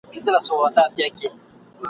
تا ویل چي غشیو ته به ټینګ لکه پولاد سمه ..